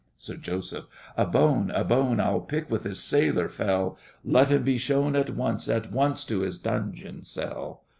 SIR JOSEPH. A bone, a bone I'll pick with this sailor fell; Let him be shown at once At once to his dungeon cell.